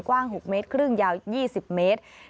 กว้าง๖เมตรครึ่งยาว๒๐เมตร